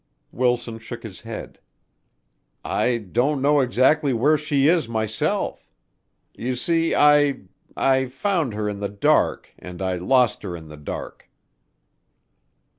Wilson shook his head. "I don't know exactly where she is myself. You see I I found her in the dark and I lost her in the dark."